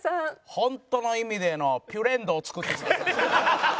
ホントの意味でのピュレンドを作ってしまったら。